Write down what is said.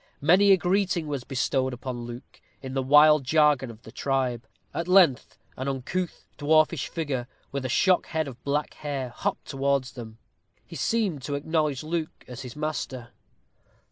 Many a greeting was bestowed upon Luke, in the wild jargon of the tribe. At length an uncouth dwarfish figure, with a shock head of black hair, hopped towards them. He seemed to acknowledge Luke as his master.